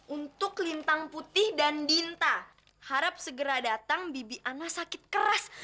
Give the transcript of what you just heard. untuk lintang putih dan dinta harap segera datang bibi ana sakit keras